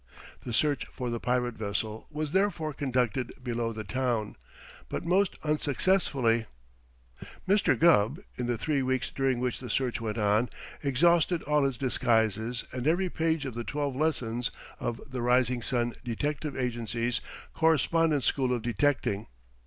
The search for the pirate vessel was therefore conducted below the town, but most unsuccessfully. Mr. Gubb, in the three weeks during which the search went on, exhausted all his disguises and every page of the twelve lessons of the Rising Sun Detective Agency's Correspondence School of Detecting.